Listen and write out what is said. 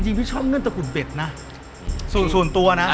จริงพี่ชอบเงื่อนตระกุฎเบ็ดนะส่วนตัวนะ